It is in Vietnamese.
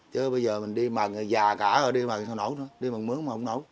chứ bây giờ mình đi mà già cả rồi đi mà sao nổ nữa đi mà mướn mà không nổ